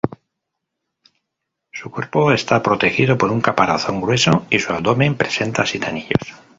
Su cuerpo está protegido por un caparazón grueso y su abdomen presenta siete anillos.